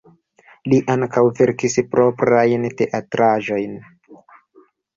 Li ankaŭ verkis proprajn teatraĵojn.